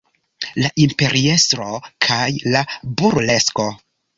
La imperiestro kaj la burlesko.